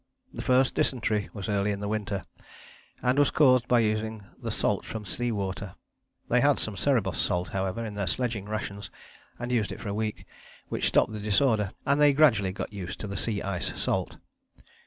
The first dysentery was early in the winter, and was caused by using the salt from the sea water. They had some Cerebos salt, however, in their sledging rations, and used it for a week, which stopped the disorder and they gradually got used to the sea ice salt.